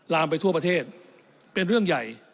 ลามไปทั่วประเทศเป็นเรื่องใหญ่